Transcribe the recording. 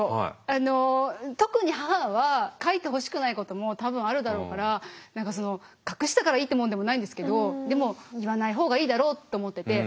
あの特に母は書いてほしくないことも多分あるだろうから何か隠したからいいってもんでもないんですけどでも言わない方がいいだろうって思ってて。